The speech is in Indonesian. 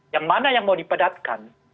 yang mana yang mau dipadatkan